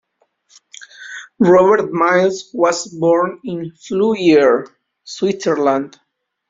Robert Miles was born in Fleurier, Switzerland.